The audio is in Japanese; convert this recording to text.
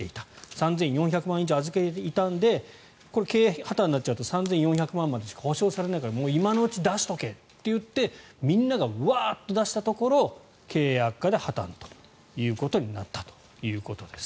３４００万以上預けていたので経営破たんしちゃうと３４００万までしか保証されないから今のうちに出しておけといってみんながワッと出したところ経営悪化で破たんということになったと。